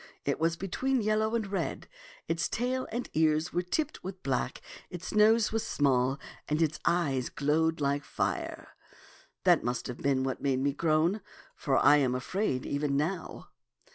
It was between yellow and red, its tail and ears were tipped with black, its nose was small, and its eyes glowed like fire. That must have been what made me groan, for I am afraid even now.'